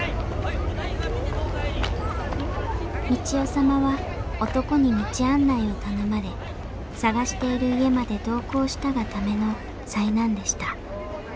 三千代様は男に道案内を頼まれ探している家まで同行したがための災難でした。